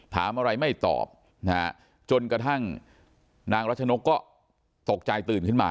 ถามอะไรไม่ตอบนะฮะจนกระทั่งนางรัชนกก็ตกใจตื่นขึ้นมา